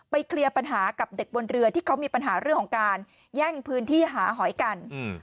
เคลียร์ปัญหากับเด็กบนเรือที่เขามีปัญหาเรื่องของการแย่งพื้นที่หาหอยกัน